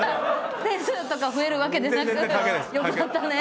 点数とか増えるわけじゃなくよかったねって？